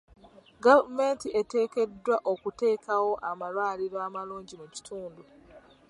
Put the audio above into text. Gavumenti eteekeddwa okuteekawo amalwaliro amalungi mu kitundu.